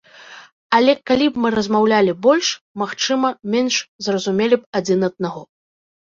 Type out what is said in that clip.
Але калі б мы размаўлялі больш, магчыма менш зразумелі б адзін аднаго.